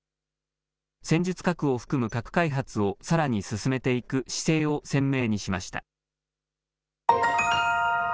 戦術核を含む核開発をさらに進めていく姿勢を鮮明にしました。